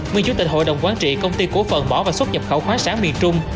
mình chú tịch hội đồng quán trị công ty cổ phần bỏ và xuất nhập khẩu khóa sáng miền trung